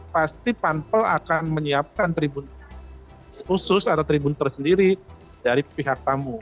pasti panpel akan menyiapkan tribun khusus atau tribun tersendiri dari pihak tamu